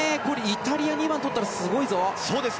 イタリアが２番とったらすごいぞ。